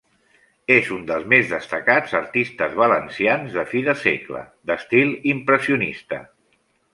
És un dels més destacats artistes valencians de fi de segle, d'estil impressionista.